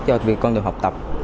cho việc con đường học tập